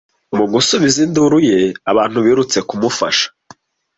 Mu gusubiza induru ye, abantu birutse kumufasha.